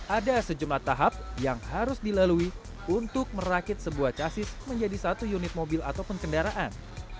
ada sejumlah tahap yang harus dilalui untuk merakit sebuah casis menjadi satu unit mobil ataupun kendaraan